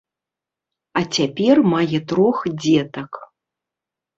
А цяпер мае трох дзетак.